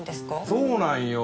そうなんよ。